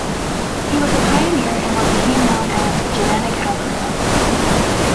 He was a pioneer in what became known as genetic algorithms.